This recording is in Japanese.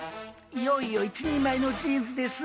いよいよ一人前のジーンズです。